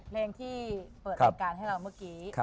เพลงที่เปิดรายการให้เราเมื่อกี้